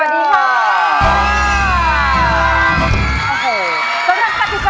สวัสดีค่ะ